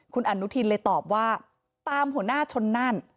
คุณอนุทินเลยตอบว่าตามหัวหน้าชนนั่น